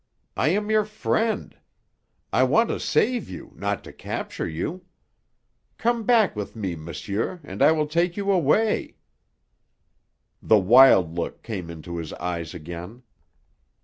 I am your friend; I want to save you, not to capture you. Come back with me, monsieur, and I will take you away " The wild look came into his eyes again.